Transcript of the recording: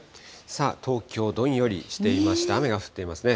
さあ、東京、どんよりしていまして、雨が降っていますね。